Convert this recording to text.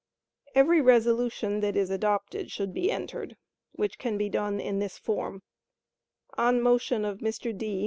Every resolution that is adopted should be entered, which can be done in this form: "On motion of Mr. D.